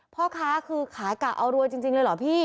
พ่อค้าคือขายกะเอารวยจริงเลยเหรอพี่